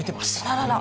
あらら。